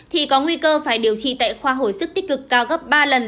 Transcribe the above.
thì có nguy cơ phải điều trị tại khoa hồi sức tích cực cao gấp ba lần